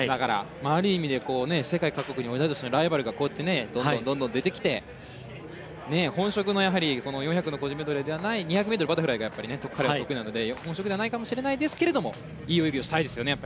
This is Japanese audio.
ある意味で世界各国に同い年のライバルがこうやってどんどん出てきて本職は４００個人メドレーではない２００ｍバタフライが彼は得意なので本職ではないかもしれないけれどもいい泳ぎをしたいですよね。